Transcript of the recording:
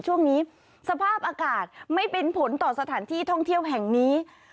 ช่วงนี้สภาพอากาศไม่เป็นผลต่อสถานที่ท่องเที่ยวแห่งนี้